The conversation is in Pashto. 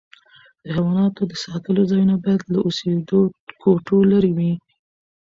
د حیواناتو د ساتلو ځایونه باید له اوسېدو کوټو لیري وي.